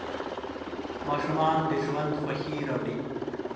ماشومان د ژوند خوښي راوړي.